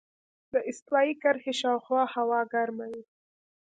د استوایي کرښې شاوخوا هوا ګرمه وي.